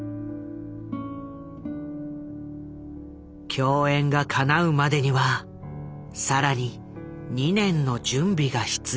共演がかなうまでには更に２年の準備が必要だった。